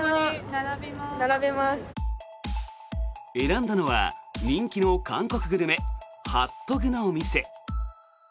選んだのは人気の韓国グルメハットグのお店。